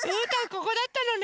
ここだったのね。